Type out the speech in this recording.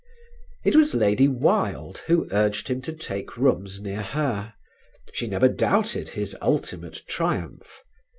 It was Lady Wilde who urged him to take rooms near her; she never doubted his ultimate triumph.